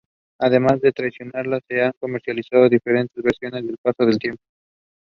Misa was born in Samoa and raised in Wellington.